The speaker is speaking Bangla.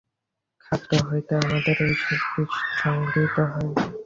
খাদ্য হইতে আমাদের এই শক্তি সংগৃহীত হয়।